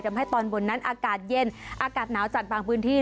ทำให้ตอนบนนั้นอากาศเย็นอากาศหนาวจัดบางพื้นที่